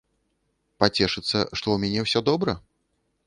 Пацешыцца, што ў мяне ўсё добра?